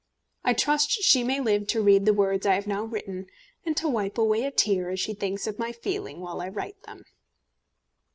I trust she may live to read the words I have now written, and to wipe away a tear as she thinks of my feeling while I write them.